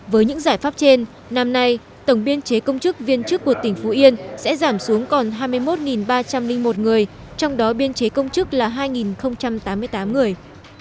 với những giải pháp trên năm nay tổng biên chế công chức viên chức của tỉnh phú yên sẽ giảm xuống còn hai mươi một ba trăm linh một người trong đó biên chế công chức là hai tám mươi tám người